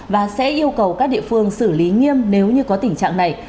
và sẽ yêu cầu các địa phương xử lý nghiêm nếu như có tình trạng này